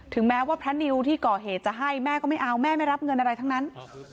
แม้ว่าพระนิวที่ก่อเหตุจะให้แม่ก็ไม่เอาแม่ไม่รับเงินอะไรทั้งนั้น